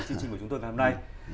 chương trình của chúng tôi ngày hôm nay